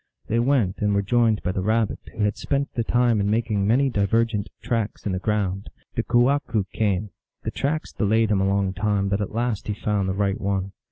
They went, and were joined by the Rabbit, who had spent the time in making many divergent tracks in the ground. The kewahqu came. The tracks delayed him a long time, but at last he found the right one.